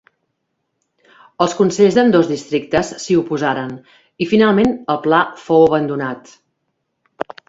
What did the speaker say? Els consells d'ambdós districtes s'hi oposaren i finalment el pla fou abandonat.